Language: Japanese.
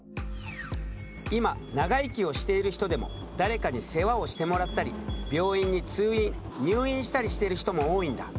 今長生きをしている人でも誰かに世話をしてもらったり病院に通院入院したりしている人も多いんだ。